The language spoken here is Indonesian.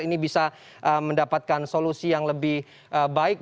ini bisa mendapatkan solusi yang lebih baik